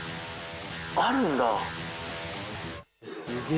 あるんだ。